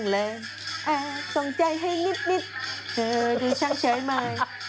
เด็นน่ารักเจ้า